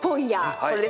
これですね。